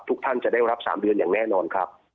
ทุกท่านจะได้รับ๓เดือนอย่างแน่นอนครับ